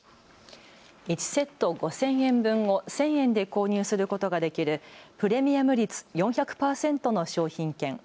１セット５０００円分を１０００円で購入することができるプレミアム率４００％の商品券。